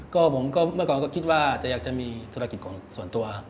ก็ผมก็เมื่อก่อนก็คิดว่าจะอยากจะมีธุรกิจของส่วนตัว